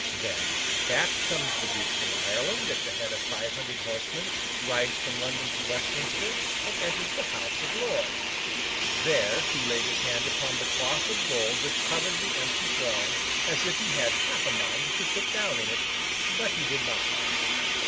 Then, back comes the Duke from Ireland at the head of five hundred horsemen, rides from London to Westminster, and enters the House of Lords. There, he laid his hand upon the cloth of gold which covered the empty throne, as if he had half a mind to sit down in it—but he did not.